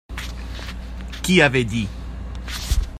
Qui avait dit ?